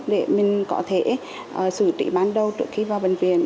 để mình có thể xử trí bán đầu trước khi vào bệnh viện